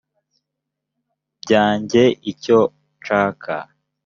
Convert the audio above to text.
byanjye icyo nshaka